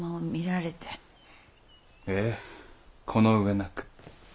ええこの上なく。